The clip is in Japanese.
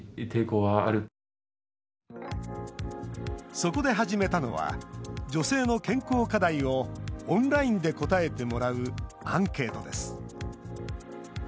そこで始めたのは女性の健康課題をオンラインで答えてもらうアンケートです。